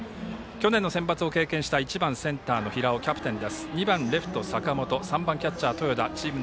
去年のセンバツを経験した１番センターの平尾がキャプテン。